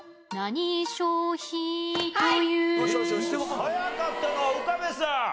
早かったのは岡部さん。